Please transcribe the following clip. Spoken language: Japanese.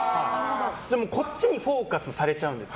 こっちにフォーカスされちゃうんです